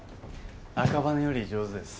赤羽より上手です。